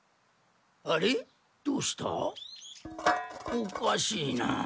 おかしいな。